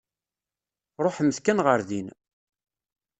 Ṛuḥemt kan ɣer din.